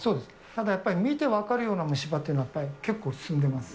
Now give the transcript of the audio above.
ただやっぱり見て分かるような虫歯というのは、結構進んでます。